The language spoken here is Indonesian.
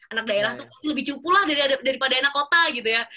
anak daerah itu pasti lebih cupu lah daripada anak kota gitu ya